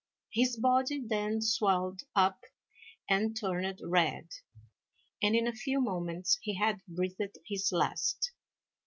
His body then swelled up and turned red, and in a few moments he had breathed his last.